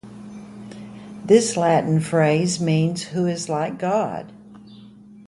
This Latin phrase means Who is like God?